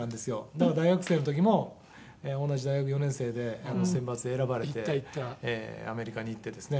「だから大学生の時も同じ大学４年生で選抜で選ばれてアメリカに行ってですね」